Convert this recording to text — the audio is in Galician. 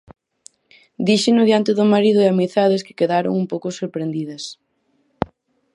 Díxeno diante do marido e amizades que quedaron un pouco sorprendidas.